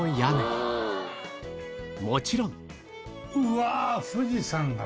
もちろん！